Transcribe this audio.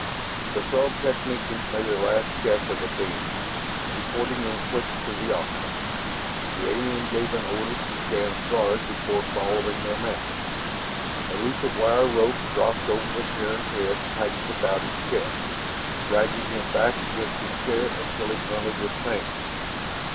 The Throg technicians made a last check of the beam, reporting in clicks to the officer. The alien gave an order to Shann's guard before following them out. A loop of wire rope dropped over the Terran's head, tightened about his chest, dragging him back against the chair until he grunted with pain.